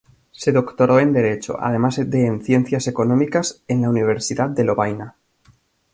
Se doctoró en Derecho, además de en Ciencias Económicas en la Universidad de Lovaina.